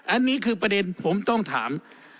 อันนี้คือประเด็นผมต้องถาม